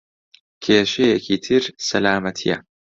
کێشەیەکی تر سەلامەتییە.